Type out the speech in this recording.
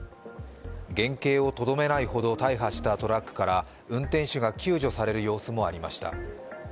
原形をとどめないほど大破したトラックから運転手が救助される様子もありました。